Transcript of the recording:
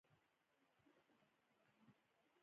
لایپیز انزایم شحمي مواد یو څه هضم کړي.